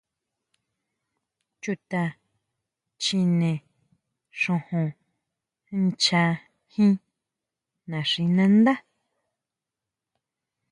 Chuta chine xojon ncha jín naxinandá.